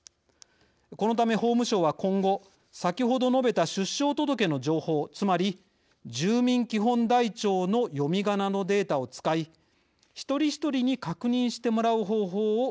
このため法務省は今後先ほど述べた出生届の情報つまり住民基本台帳の読みがなのデータを使い一人一人に確認してもらう方法を検討しています。